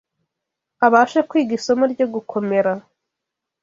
abashe kwiga isomo ryo gukomera